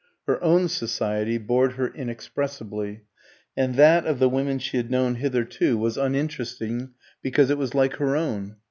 Her own society bored her inexpressibly, and that of the women she had known hitherto was uninteresting because it was like her own.